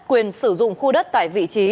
quyền sử dụng khu đất tại vị trí